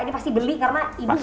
ini pasti beli karena ibu gak ada